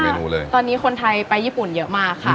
เลยตอนนี้คนไทยไปญี่ปุ่นเยอะมากค่ะ